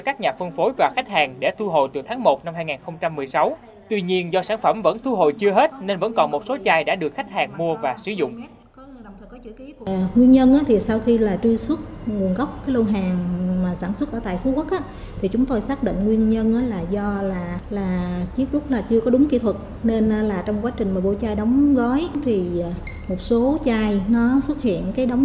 các bạn hãy đăng ký kênh để ủng hộ kênh của chúng mình nhé